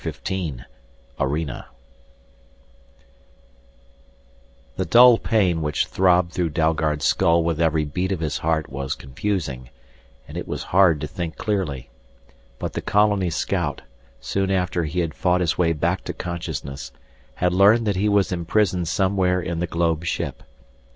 15 ARENA The dull pain which throbbed through Dalgard's skull with every beat of his heart was confusing, and it was hard to think clearly. But the colony scout, soon after he had fought his way back to consciousness, had learned that he was imprisoned somewhere in the globe ship.